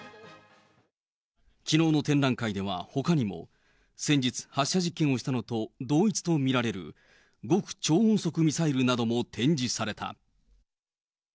きのうの展覧会ではほかにも、先日、発射実験をしたのと同一とみられる極超音速ミサイルなども展示された。